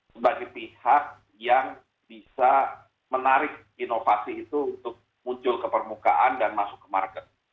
sebagai pihak yang bisa menarik inovasi itu untuk muncul ke permukaan dan masuk ke market